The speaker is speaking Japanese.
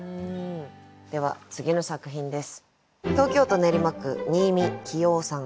では次の作品です。